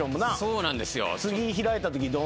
そうなんですよ。